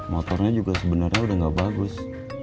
motornya juga sebenarnya udah gak bagus